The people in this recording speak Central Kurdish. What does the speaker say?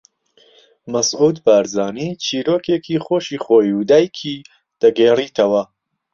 مەسعود بارزانی چیرۆکێکی خۆشی خۆی و دایکی دەگێڕیتەوە